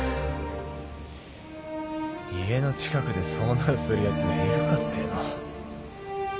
家の近くで遭難するやつがいるかっての。